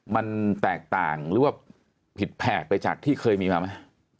มันแตกต่างหรือว่าผิดแผกไปจากที่เคยมีมาไหม